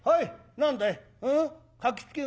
何だい？